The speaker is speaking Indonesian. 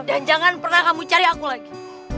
dan jangan pernah kamu cari aku lagi